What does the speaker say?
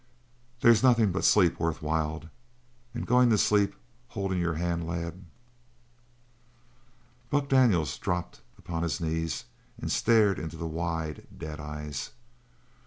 "They's nothin' but sleep worth while and goin' to sleep, holdin' your hand, lad " Buck Daniels dropped upon his knees and stared into the wide, dead eyes.